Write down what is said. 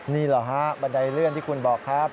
นี่เหรอฮะบันไดเลื่อนที่คุณบอกครับ